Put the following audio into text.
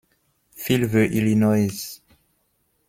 Feel the Illinoise!